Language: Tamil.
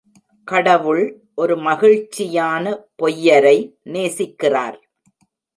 கடவுள் ஒரு மகிழ்ச்சியான பொய்யரை நேசிக்கிறார்.